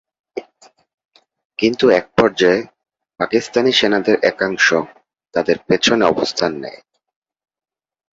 কিন্তু একপর্যায়ে পাকিস্তানি সেনাদের একাংশ তাদের পেছনে অবস্থান নেয়।